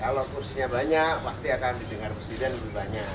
kalau kursinya banyak pasti akan didengar presiden lebih banyak